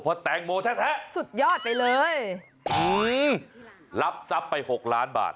เพราะแตงโมแท้สุดยอดไปเลยรับทรัพย์ไปหกล้านบาท